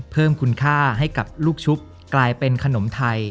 เพิ่มคุณค่าให้กับลูกชุบกลายเป็นขนมไทย